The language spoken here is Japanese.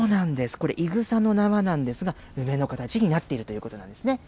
これ、いぐさの縄なんですが、梅の形になっているということなんですね。